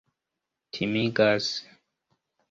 timigas